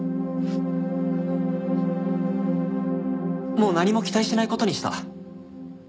もう何も期待しない事にした。